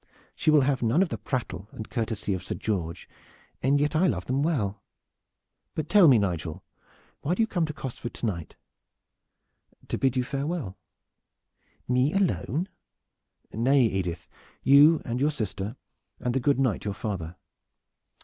She will have none of the prattle and courtesy of Sir George, and yet I love them well. But tell me, Nigel, why do you come to Cosford to night?" "To bid you farewell." "Me alone?" "Nay, Edith, you and your sister Mary and the good knight your father."